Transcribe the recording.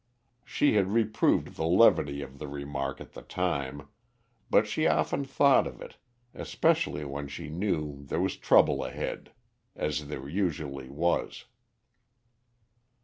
She had reproved the levity of the remark at the time, but she often thought of it, especially when she knew there was trouble ahead as there usually was.